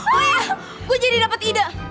oh ya gue jadi dapet ide